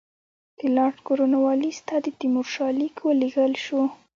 د لارډ کورنوالیس ته د تیمورشاه لیک ولېږل شو.